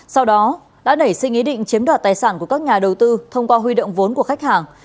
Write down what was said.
sau đó đã nảy sinh ý định chiếm đoạt tài sản của các nhà đầu tư thông qua huy động vốn của khách hàng